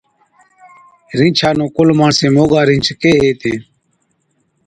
رِينڇا نُون ڪُل ماڻسين موڳا رِينڇ ڪيهي هِتين۔